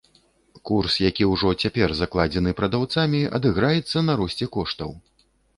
Курс, які ўжо цяпер закладзены прадаўцамі, адыграецца на росце коштаў.